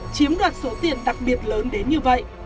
chiếm đoạt số tiền đặc biệt lớn đến như vậy